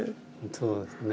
そうですね。